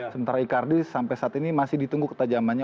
sementara icardi sampai saat ini masih ditunggu ketajamannya